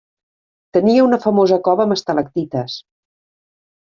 Tenia una famosa cova amb estalactites.